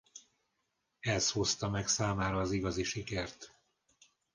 Ez hozta meg számára az igazi sikert.